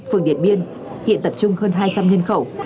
phường điện biên hiện tập trung hơn hai trăm linh nhân khẩu